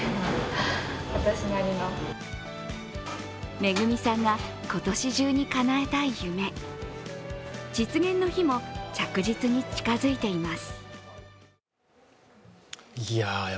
恵さんが今年中にかなえたい夢、実現の日も着実に近づいています。